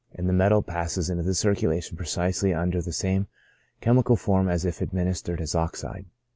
and the metal passes into the circulation precisely under the same chemical forms as if administered as oxide.